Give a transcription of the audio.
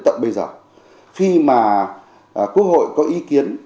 tận bây giờ khi mà quốc hội có ý kiến